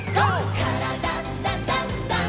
「からだダンダンダン」